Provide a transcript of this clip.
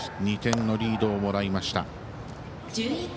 ２点のリードをもらいました。